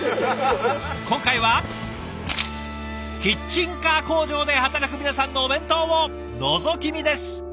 今回はキッチンカー工場で働く皆さんのお弁当をのぞき見です。